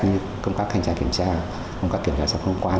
như công pháp canh trái kiểm tra công pháp kiểm tra sạc công quan